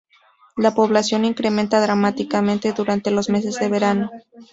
La población incrementa dramáticamente durante los meses de verano.